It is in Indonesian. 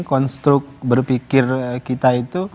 konstruk berpikir kita itu